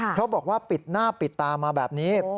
เพราะบอกว่าปิดหน้าปิดตามาแบบนี้